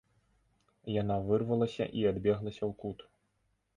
Яна вырвалася і адбеглася ў кут.